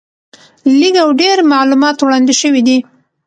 لږ او ډېر معلومات وړاندې شوي دي.